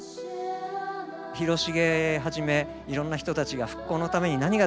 広重はじめいろんな人たちが復興のために何ができるんだ。